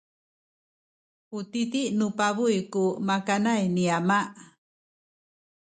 u titi nu pabuy ku makanay ni ama.